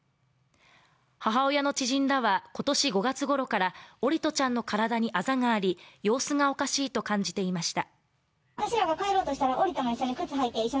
母親の知人らは今年５月ごろから桜利斗ちゃんの体にあざがあり様子がおかしいと感じていました。